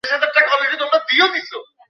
আমি যে ভাল, সেটা কীভাবে জান?